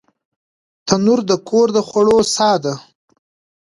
تنور د کور د خوړو ساه ده